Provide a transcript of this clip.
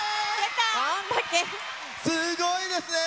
すごいですね。